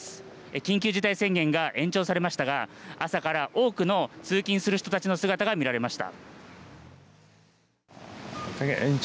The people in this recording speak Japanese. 緊急事態宣言が延長されましたが朝から多くの通勤する人たちの姿が見られました。